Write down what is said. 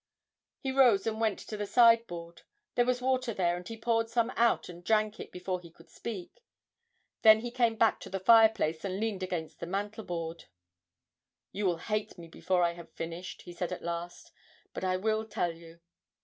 He rose and went to the sideboard; there was water there, and he poured some out and drank it before he could speak. Then he came back to the fireplace, and leaned against the mantelboard. 'You will hate me before I have finished,' he said at last, 'but I will tell you.'